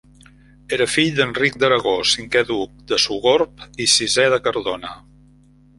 Era fill d'Enric d'Aragó, cinquè duc de Sogorb i sisè de Cardona.